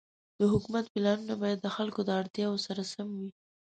د حکومت پلانونه باید د خلکو د اړتیاوو سره سم وي.